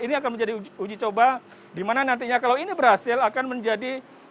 ini akan menjadi uji coba dimana nantinya kalau ini berhasil akan menjadi